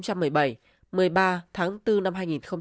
chủ nhiệm ủy ban kiểm tra trung ương phan đình trạc